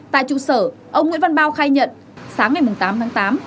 tại trụ sở ông nguyễn văn bao khai nhận sáng ngày tám tháng tám